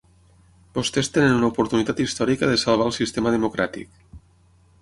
Vostès tenen una oportunitat històrica de salvar el sistema democràtic.